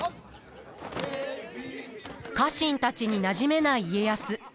家臣たちになじめない家康。